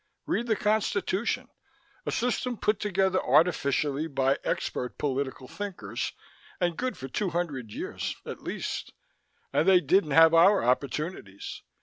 Read the Constitution a system put together artificially by expert political thinkers, and good for two hundred years, at least! And they didn't have our opportunities.